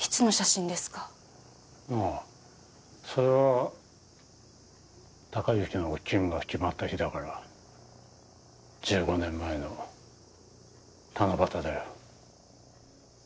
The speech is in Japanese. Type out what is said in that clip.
ああそれは孝之の勤務が決まった日だから１５年前の七夕だよ。